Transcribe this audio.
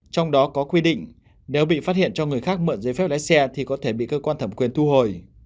trong đó có quy định nếu bị phát hiện cho người khác mượn giấy phép lái xe thì có thể bị cơ quan thẩm quyền thu hồi